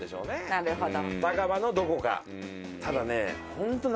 なるほど。